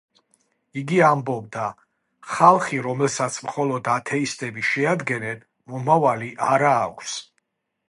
იგი ამბობდა: „ხალხი, რომელსაც მხოლოდ ათეისტები შეადგენენ, მომავალი არა აქვს“.